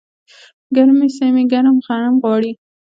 ګرمې سیمې ګرم غنم غواړي.